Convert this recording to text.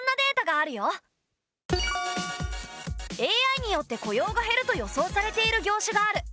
ＡＩによって雇用が減ると予想されている業種がある。